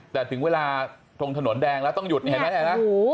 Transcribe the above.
แต่ถึงเวลาทรงถนนแดงแล้วต้องหยุดอย่างนั้น